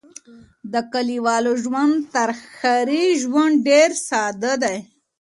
د کليوالو ژوند تر ښاري ژوند ډېر ساده دی.